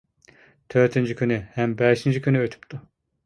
تۆتىنچى كۈنى ھەم بەشىنچى كۈنى ئۆتۈپتۇ.